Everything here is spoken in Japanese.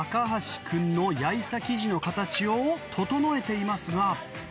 橋君の焼いた生地の形を整えていますが。